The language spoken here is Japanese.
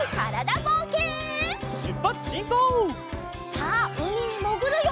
さあうみにもぐるよ！